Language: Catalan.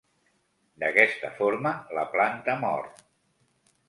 D'aquesta forma la planta mor.